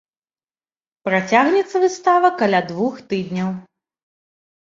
Працягнецца выстава каля двух тыдняў.